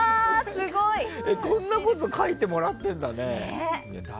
こんなこと書いてもらってるんだね。